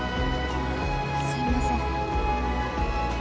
すいません。